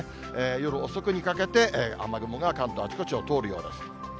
夜遅くにかけて雨雲が関東あちこちを通るようです。